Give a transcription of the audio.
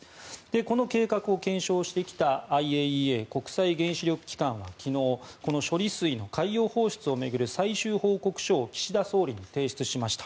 この計画を検証してきたＩＡＥＡ・国際原子力機関は昨日この処理水の海洋放出を巡る最終報告書を岸田総理に提出しました。